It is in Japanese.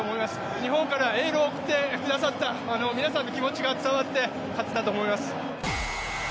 日本からエールを送ってくださった皆さんの気持ちが伝わって勝てたと思います。